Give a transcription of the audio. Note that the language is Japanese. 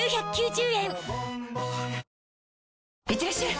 いってらっしゃい！